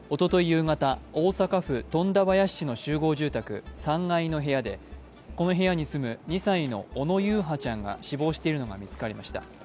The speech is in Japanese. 夕方、大阪府富田林市の集合住宅３階の部屋でこの部屋に住む２歳の小野優陽ちゃんが死亡しているのが見つかりました。